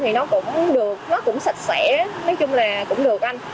thì nó cũng được nó cũng sạch sẽ nói chung là cũng được anh